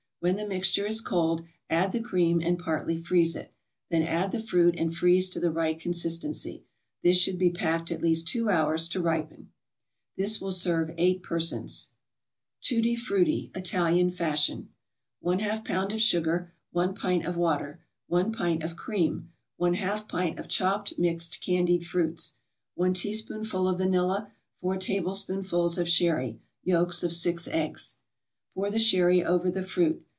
When the mixture is cold, add the cream, and partly freeze it; then add the fruit, and freeze to the right consistency. This should be packed at least two hours to ripen. This will serve eight persons. TUTTI FRUTTI, ITALIAN FASHION 1/2 pound of sugar 1 pint of water 1 pint of cream 1/2 pint of chopped mixed candied fruits 1 teaspoonful of vanilla 4 tablespoonfuls of sherry Yolks of six eggs Pour the sherry over the fruit.